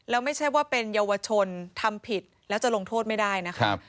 แล้วไม่ใช่ว่าเป็นเยาวชนทำผิดแล้วจะลงโทษไม่ได้นะครับ